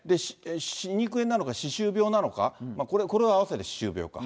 歯肉炎なのか歯周病なのか、これを合わせて歯周病か。